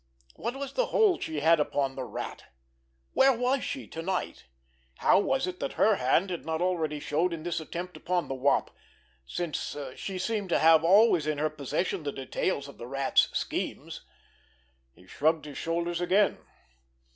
What was the hold she had upon the Rat? Where was she to night? How was it that her hand had not already showed in this attempt upon the Wop, since she seemed to have always in her possession the details of the Rat's schemes? He shrugged his shoulders again.